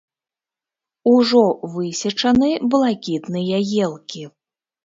Ужо высечаны блакітныя елкі.